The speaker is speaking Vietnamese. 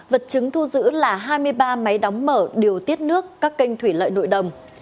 vật chứng thu giữ là hai mươi ba máy đóng mở điều tiết nước các kênh thủy lợi nội đồng